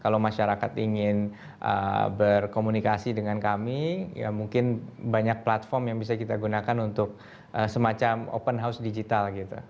kalau masyarakat ingin berkomunikasi dengan kami ya mungkin banyak platform yang bisa kita gunakan untuk semacam open house digital gitu